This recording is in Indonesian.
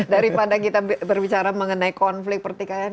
daripada kita berbicara mengenai konflik pertikaian